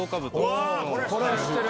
これは知ってる。